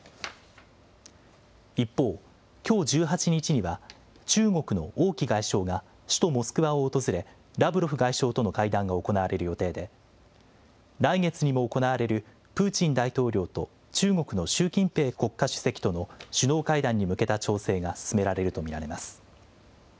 一方、きょう１８日には、中国の王毅外相が、首都モスクワを訪れ、ラブロフ外相との会談が行われる予定で、来月にも行われるプーチン大統領と中国の習近平国家主席との首脳会談に向けた調整が進められると見られます。